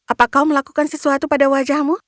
apa kau melakukan sesuatu pada wajahmu